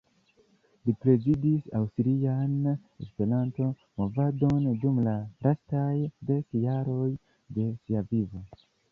Li prezidis Aŭstrian Esperanto-Movadon dum la lastaj dek jaroj de sia vivo.